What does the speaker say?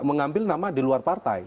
mengambil nama di luar partai